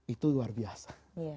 itu luar biasa